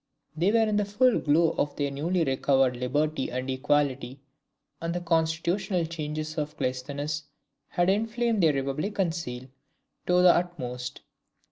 They were in the full glow of their newly recovered liberty and equality; and the constitutional changes of Cleisthenes had inflamed their republican zeal to the utmost.